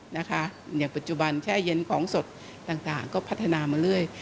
อย่างปัจจุบันแช่เย็นของสดต่างก็พัฒนามาเรื่อย